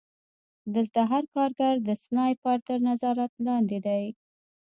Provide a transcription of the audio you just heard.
دلته هر کارګر د سنایپر تر نظارت لاندې دی